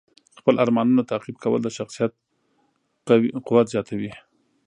خپل ارمانونه تعقیب کول د شخصیت قوت زیاتوي.